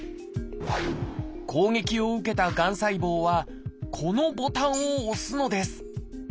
攻撃を受けたがん細胞はこのボタンを押すのです。